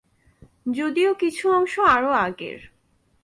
যদিও কিছু অংশ আরো আগের।